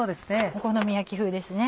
お好み焼き風ですね。